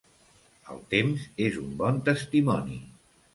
El temps és un bon testimoni.